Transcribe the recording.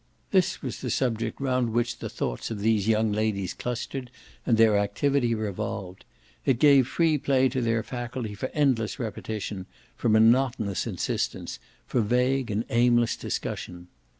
This was the subject round which the thoughts of these young ladies clustered and their activity revolved; it gave free play to their faculty for endless repetition, for monotonous insistence, for vague and aimless discussion.